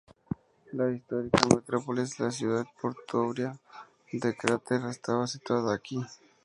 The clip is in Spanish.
La histórica metrópolis, la ciudad portuaria de Crater, estaba situada aquí.